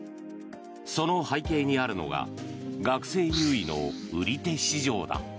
その背景にあるのが学生優位の売り手市場だ。